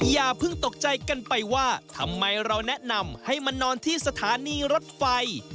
อย่าเพิ่งตกใจกันไปว่าทำไมเราแนะนำให้มานอนที่สถานีรถไฟ